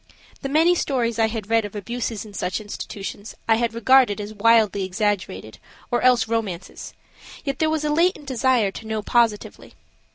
The many stories I had read of abuses in such institutions I had regarded as wildly exaggerated or else romances, yet there was a latent desire to know positively.